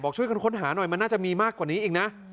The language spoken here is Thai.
ช่วยกันค้นหาหน่อยมันน่าจะมีมากกว่านี้อีกนะ